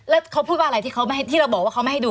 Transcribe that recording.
แล้วเขาพูดว่าอะไรที่เราบอกว่าเขาไม่ให้ดู